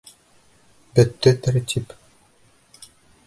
Бөттө тәртип.